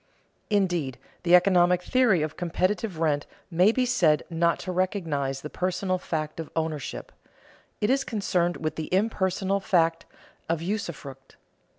Indeed, the economic theory of competitive rent may be said not to recognize the personal fact of ownership; it is concerned with the impersonal fact of usufruct.